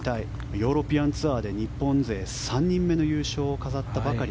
ヨーロピアンツアーで日本勢３人目の優勝を飾ったばかり。